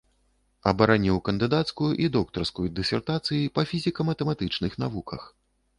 Абараніў кандыдацкую і доктарскую дысертацыі па фізіка-матэматычных навуках.